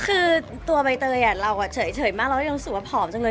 คือตัวใบเตยเราเฉยมากเรายังรู้สึกว่าผอมจังเลย